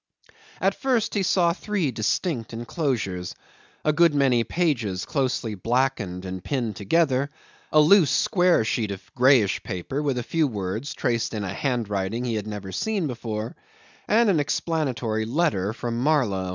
At first he saw three distinct enclosures. A good many pages closely blackened and pinned together; a loose square sheet of greyish paper with a few words traced in a handwriting he had never seen before, and an explanatory letter from Marlow.